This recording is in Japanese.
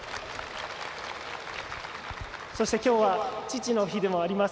そして、きょうは父の日でもあります。